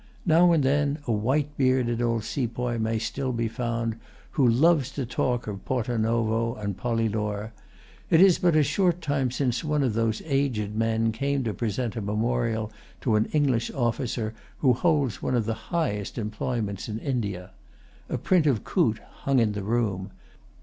Now and then a white bearded old sepoy may still be found, who loves to talk of Porto Novo and Pollilore. It is but a short time since one of those aged men came to present a memorial to an English officer, who holds one of the highest employments in India. A print of Coote hung in the room.